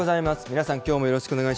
皆さん、きょうもよろしくお願い